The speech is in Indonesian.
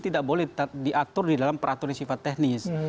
tidak boleh diatur di dalam peraturan yang sifat teknis